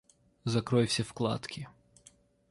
Закрой все вкладки